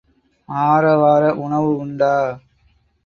ஆரவார உணவு உண்டா?